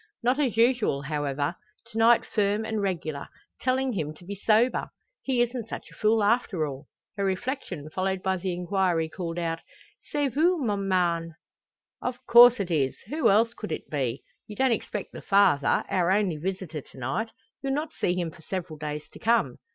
Not as usual however; to night firm and regular, telling him to be sober! "He isn't such a fool after all!" Her reflection followed by the inquiry, called out "C'est vous, mon mari?" "Of course it is. Who else could it be? You don't expect the Father, our only visitor, to night? You'll not see him for several days to come."